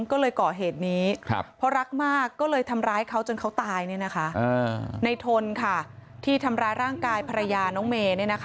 ก็เลยก่อเหตุนี้เพราะรักมากก็เลยทำร้ายเขาจนเขาตายในทนที่ทำร้ายร่างกายภรรยาน้องเมย์